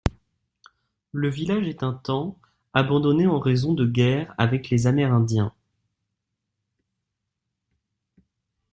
Le village est un temps abandonné en raison de guerres avec les amérindiens.